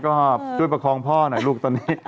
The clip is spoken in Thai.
ก็ช่วยประคองพ่อหน่อยลูกตอนนี้